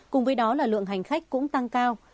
cùng với đó là lượng hành khách cũng tăng cao